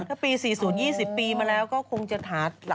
ถ้าปี๔๐๒๐ปีมาแล้วก็คงจะหา